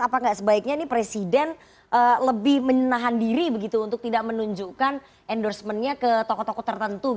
apakah sebaiknya presiden lebih menahan diri untuk tidak menunjukkan endorsementnya ke tokoh tokoh tertentu